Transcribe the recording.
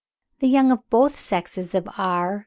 The young of both sexes of R.